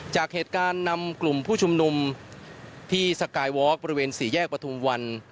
จากเหตุการณ์นำกลุ่มผู้ชุมนุมที่สกายวอล์กบริเวณสี่แยกประทุมวัน